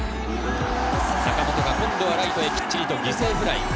坂本が今度はライトへきっちり犠牲フライ。